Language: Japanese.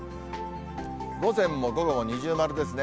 午前も午後も二重丸ですね。